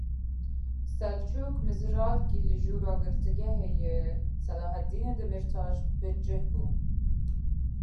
Selçuk Mizrakli li jûra girtîgehê ya Selhadîn Demîrtaş bi cih bû.